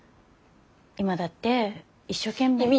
今だって一生懸命。